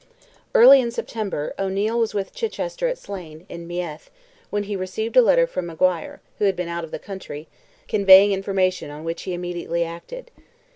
Early in September O'Neil was with Chichester at Slane, in Meath, when he received a letter from Maguire, who had been out of the country, conveying information on which he immediately acted.